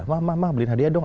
ma ma ma beliin hadiah dong